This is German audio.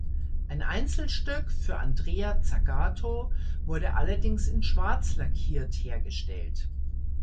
Ein Einzelstück für Andrea Zagato wurde allerdings in Schwarz lackiert hergestellt.